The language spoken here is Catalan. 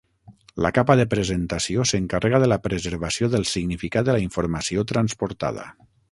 La capa de presentació s'encarrega de la preservació del significat de la informació transportada.